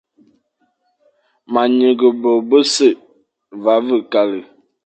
Ma nyeghe bô bese, va ve kale.